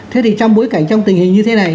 thế thì trong bối cảnh trong tình hình như thế này